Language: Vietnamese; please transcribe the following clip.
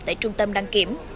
tại trung tâm đăng kiểm